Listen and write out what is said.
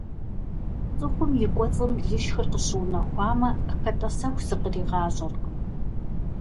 ЦӀыхум и кӀуэцӀым лышхыр къыщыунэхуамэ, хэтӀэсэху зыкъригъащӀэркъым.